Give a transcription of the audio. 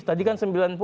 tadi kan sembilan puluh